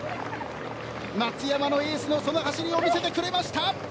松山のエースがその走りを見せてくれました。